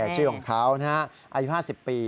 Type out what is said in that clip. ชื่อของเขาอายุ๕๐ปี